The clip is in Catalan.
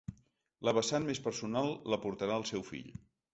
La vessant més personal l’aportarà el seu fill.